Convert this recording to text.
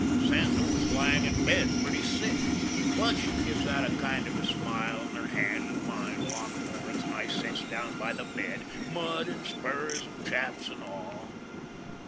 "Santa was lyin' in bed pretty sick. But she gives out a kind of a smile, and her hand and mine lock horns, and I sets down by the bed— mud and spurs and chaps and all.